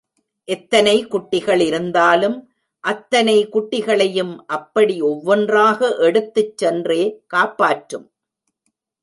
எத்தனை குட்டிகள் இருந்தாலும் அத்தனை குட்டிகளையும் அப்படி ஒவ்வொன்றாக எடுத்துச் சென்றே காப்பாற்றும்.